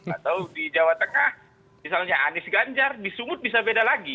atau di jawa tengah misalnya anies ganjar di sumut bisa beda lagi